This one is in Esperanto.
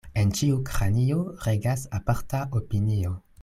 En ĉiu kranio regas aparta opinio.